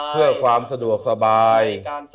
เพื่อความสะดวกสบาย